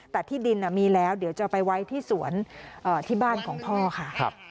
แต่ที่ดินมีแล้วเดี๋ยวจะไปไว้ที่สวนที่บ้านของพ่อค่ะ